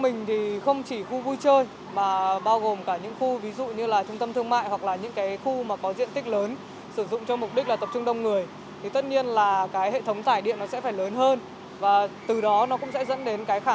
ban quản lý khu vui chơi cũng nhận thấy rõ những nguy cơ cháy nổ có thể xảy ra